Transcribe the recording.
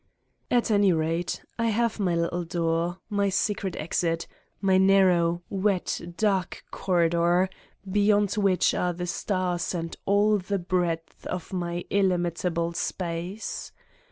At any rate, I have my little door, my secret exit, my narrow, wet, dark corridor, beyond which are the stars and all the breadth of my illimitable space